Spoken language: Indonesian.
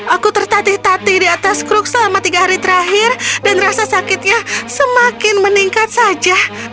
aku tertatih tatih di atas kruk selama tiga hari terakhir dan rasa sakitnya semakin meningkat saja